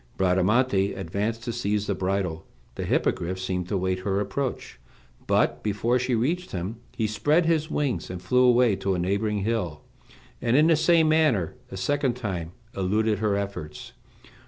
Bradamante advanced to seize the bridle; the Hippogriff seemed to wait her approach, but before she reached him he spread his wings and flew away to a neighboring hill, and in the same manner, a second time, eluded her efforts.